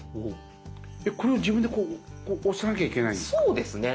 これを自分で押さなきゃいけないんですか？